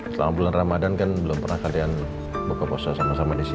selama bulan ramadhan kan belum pernah kalian buka puasa sama sama disini